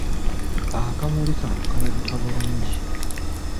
Akamuli kano kalabika bulungi!